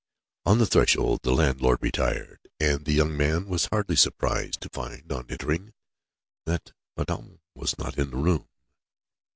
On the threshold, the landlord retired, and the young man was hardly surprised to find, on entering, that Madame was not in the room.